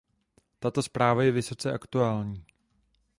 Tato zpráva je vysoce aktuální.